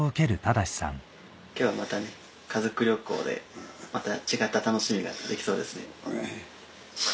今日はまたね家族旅行でまた違った楽しみができそうですね。